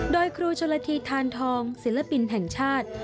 โดยครูชนละทีทานทองศิลปินแห่งชาติ